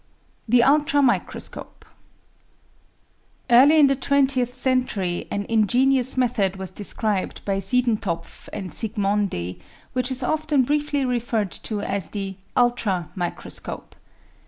The Ultra Microscope Early in the twentieth century an ingenious method was de scribed by Siedentopf and Zsigmondy, which is often briefly re ferred to as the ultra microscope.